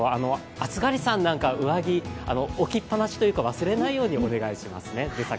暑がりさんなんかは、上着、置きっぱなしというか出先で忘れないようにお願いしますね。